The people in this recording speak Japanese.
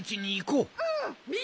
うん！